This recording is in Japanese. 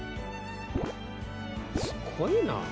すごいな。